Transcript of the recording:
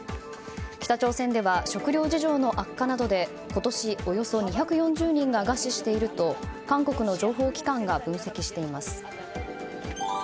北朝鮮では食糧事情の悪化などで今年およそ２４０人が餓死していると韓国の情報機関が分析しています。